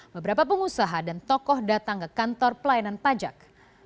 beberapa pengusaha dan tokoh datang ke kantor pelayanan pajak